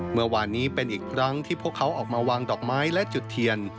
เมื่อวานนี้เป็นอีกครั้งที่พวกเขาออกมาวางดอกไม้และจุดเทียน